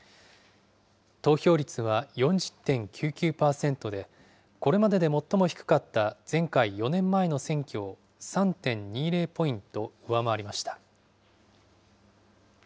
投票率は４０．９９％で、これまでで最も低かった前回・４年前の選挙を３．２０ポイント上回りました。